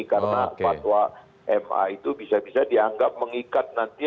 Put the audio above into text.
karena fatwa ma itu bisa bisa dianggap mengikat nanti